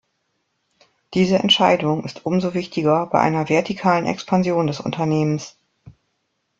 Diese Entscheidung ist umso wichtiger bei einer vertikalen Expansion des Unternehmens.